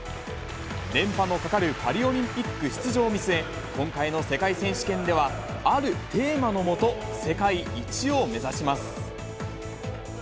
連覇のかかるパリオリンピック出場を見据え、今回の世界選手権では、あるテーマのもと、世界一を目指します。